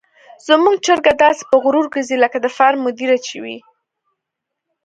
زموږ چرګه داسې په غرور ګرځي لکه د فارم مدیره چې وي.